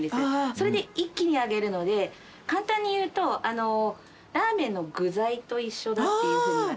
それで一気に揚げるので簡単にいうとラーメンの具材と一緒だっていうふうにいわれてます。